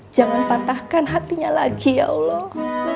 jangan patahkan hatinya lagi ya allah